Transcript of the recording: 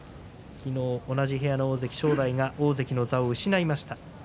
昨日、同じ部屋の大関正代が大関の座を失いました。